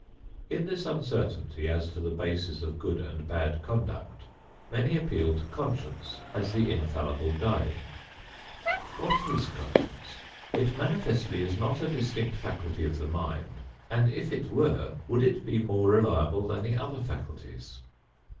In this uncertainty as to the basis of good and bad conduct, many appeal to "conscience" as the infallible guide. What is conscience? It manifestly is not a distinct faculty of the mind, and if it were, would it be more reliable than the other faculties?